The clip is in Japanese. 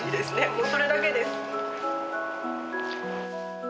もうそれだけです。